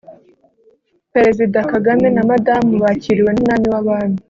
Perezida Kagame na Madamu bakiriwe n’Umwami w’Abami